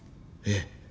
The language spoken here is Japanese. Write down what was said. ええ。